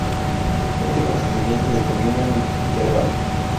Este procedimiento determina un intervalo.